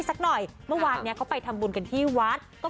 สักหน่อยเมื่อวานเนี้ยเขาไปทำบุญกันที่วัดก็